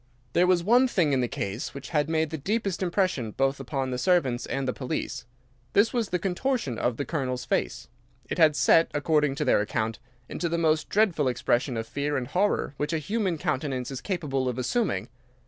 "There was one thing in the case which had made the deepest impression both upon the servants and the police. This was the contortion of the Colonel's face. It had set, according to their account, into the most dreadful expression of fear and horror which a human countenance is capable of assuming.